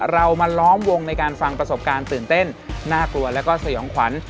เรามาล้อมวงในการฟังประสบการณ์ตื่นเต้นน่ากลัวแล้วก็สยองขวัญ